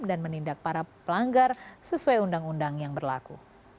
dan menindak para pelanggar sesuai undang undang yang berlaku